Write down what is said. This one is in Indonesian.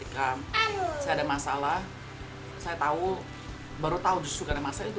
saya ada masalah saya tahu baru tahu justru karena masalah itu